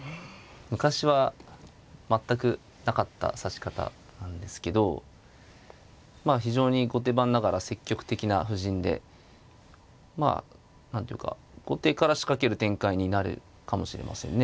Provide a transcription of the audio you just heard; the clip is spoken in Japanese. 昔は全くなかった指し方なんですけどまあ非常に後手番ながら積極的な布陣でまあ何ていうか後手から仕掛ける展開になるかもしれませんね。